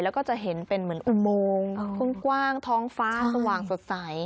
แล้วก็จะเห็นเป็นเหมือนอุโมงกว้างท้องฟ้าสว่างสดใส